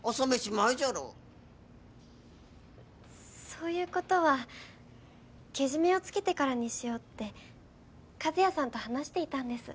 そういうことはけじめをつけてからにしようって和也さんと話していたんです